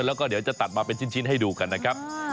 แล้วก็เดี๋ยวจะตัดมาเป็นชิ้นให้ดูกันนะครับ